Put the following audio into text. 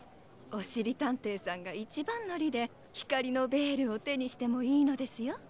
おしりたんていさんがいちばんのりでひかりのベールをてにしてもいいのですよ。